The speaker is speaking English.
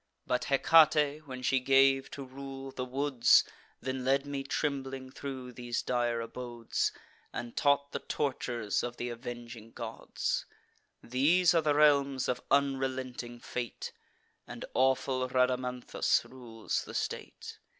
But Hecate, when she gave to rule the woods, Then led me trembling thro' these dire abodes, And taught the tortures of th' avenging gods. These are the realms of unrelenting fate; And awful Rhadamanthus rules the state.